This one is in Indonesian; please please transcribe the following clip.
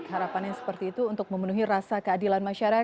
harapan yang seperti itu untuk memenuhi rasa keadilan masyarakat